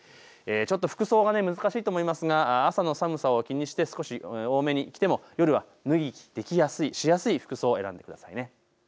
ちょっと服装が難しいと思いますが朝の寒さを気にして少し多めに着ても夜は脱ぎ着しやすい服装を選んでくださいね。